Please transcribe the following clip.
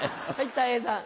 たい平さん。